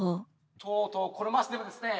とうとうこの町でもですね